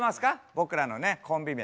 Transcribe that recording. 僕らのねコンビ名。